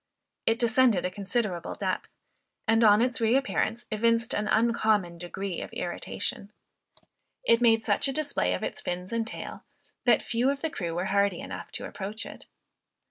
It descended a considerable depth; and, on its re appearance, evinced an uncommon degree of irritation. It made such a display of its fins and tail, that few of the crew were hardy enough to approach it.